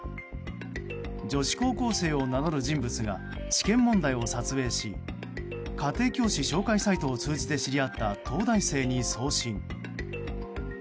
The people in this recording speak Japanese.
女子高校生を名乗る人物が試験問題を撮影し家庭教師紹介サイトを通じて知り合った東大生に送信。